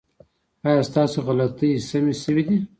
ایا ستاسو غلطۍ سمې شوې دي؟